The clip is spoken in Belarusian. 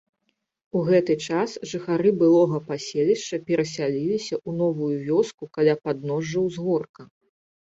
У гэты час жыхары былога паселішча перасяліліся ў новую вёску каля падножжа ўзгорка.